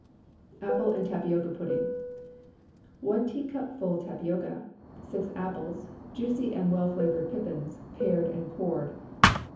APPLE AND TAPIOCA PUDDING. ✠ 1 teacupful tapioca. 6 apples—juicy and well flavored pippins—pared and cored.